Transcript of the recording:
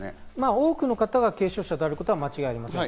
多くの方が軽症者であることは間違いありません。